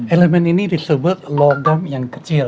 elemen ini disebut logam yang kecil